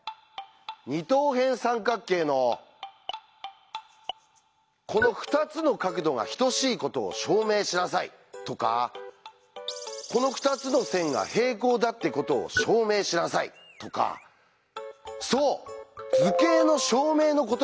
「二等辺三角形のこの２つの角度が等しいことを証明しなさい」とか「この２つの線が平行だってことを証明しなさい」とかそう「図形」の証明のことなんです。